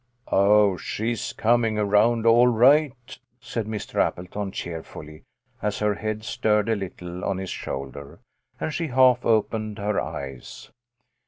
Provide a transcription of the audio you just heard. . "Oh, she's coming around all right," said Mr. Appleton, cheerfully, as her head stirred a little on his shoulder, and she half opened her eyes.